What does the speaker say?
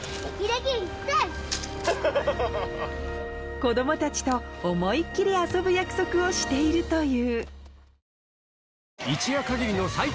子供たちと思いっきり遊ぶ約束をしているという